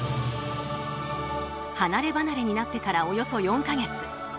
離れ離れになってからおよそ４か月。